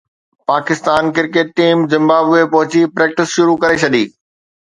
Pakistan cricket team Zimbabwe پهچي practice شروع ڪري ڇڏي